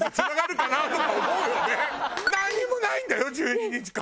なんにもないんだよ１２日間。